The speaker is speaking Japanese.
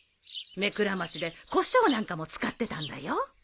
目くらましでコショウなんかも使ってたんだよ。